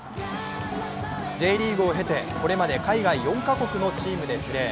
Ｊリーグを経てこれまで海外４か国のチームでプレー。